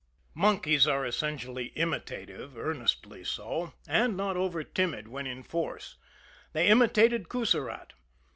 Monkeys are essentially imitative, earnestly so and not over timid when in force they imitated Coussirat.